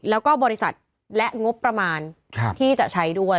แล้วก็บริษัทและงบประมาณที่จะใช้ด้วย